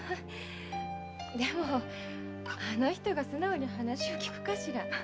でもあの人が素直に話を聞くかしら。